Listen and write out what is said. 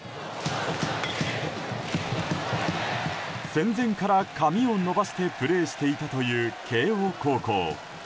戦前から髪を伸ばしてプレーしていたという慶應高校。